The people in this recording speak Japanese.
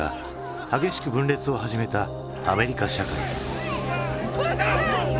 激しく分裂を始めたアメリカ社会。